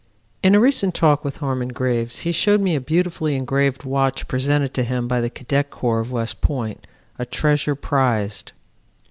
In a recent talk with Harmon Graves he showed me a beautifully engraved watch presented to him by the Cadet Corps of West Point, a treasure prized.